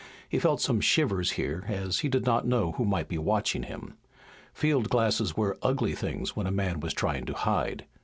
He felt some shivers here, as he did not know who might be watching him. Field glasses were ugly things when a man was trying to hide.